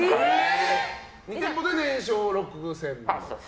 ２店舗で年商６０００万。